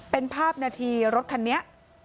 เป็นภาพนาทีรถคันนี้